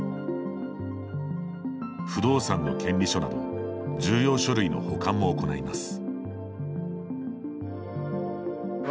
不動産の権利書など重要書類の保管も行います。